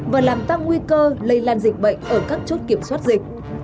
và làm tăng nguy cơ lây lan dịch bệnh ở các chốt kiểm soát dịch